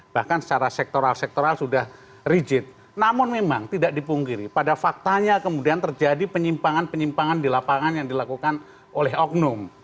bahkan secara sektoral sektoral sudah rigid namun memang tidak dipungkiri pada faktanya kemudian terjadi penyimpangan penyimpangan di lapangan yang dilakukan oleh oknum